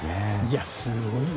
すごいね。